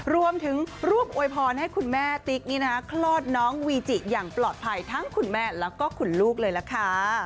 รวมถึงร่วมอวยพรให้คุณแม่ติ๊กนี่นะคะคลอดน้องวีจิอย่างปลอดภัยทั้งคุณแม่แล้วก็คุณลูกเลยล่ะค่ะ